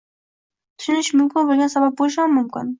Tushunish mumkin bo‘lgan sabab bo‘lishi ham mumkin.